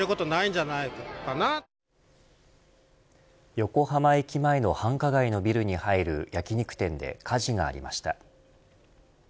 横浜駅前の繁華街のビルに入る焼き肉店で火事がありました。